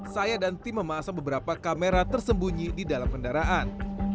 saya dan tim memasang beberapa kamera tersembunyi di dalam kendaraan